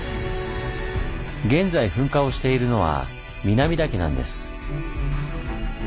現在噴火をしているのは南岳なんです。